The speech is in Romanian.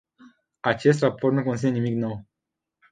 Acest raport nu conține nimic nou.